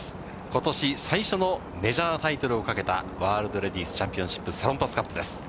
ことし最初のメジャータイトルをかけたワールドレディスチャンピオンシップサロンパスカップです。